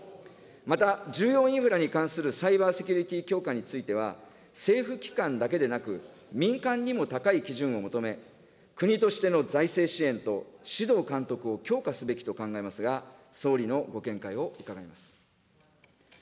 また、重要インフラに関するサイバー・セキュリティー強化については、政府機関だけでなく、民間にも高い基準を求め、国としての財政支援と指導監督を強化すべきと考えますが、総理のご見解を伺います。